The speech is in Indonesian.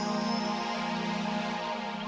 kalau kamu bahkan balik lagi kesini dah